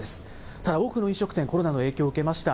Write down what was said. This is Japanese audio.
ただ、多くの飲食店、コロナの影響を受けました。